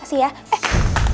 ya kasih ya eh